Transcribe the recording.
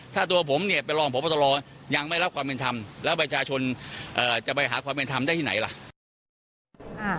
ถ้าตัวผมเนี่ยเป็นรองพบตรยังไม่รับความเป็นธรรมแล้วประชาชนจะไปหาความเป็นธรรมได้ที่ไหนล่ะ